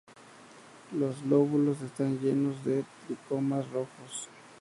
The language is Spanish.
Los lóbulos están llenos de tricomas rojos.